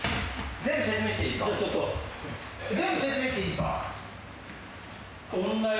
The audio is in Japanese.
全部説明していいですか？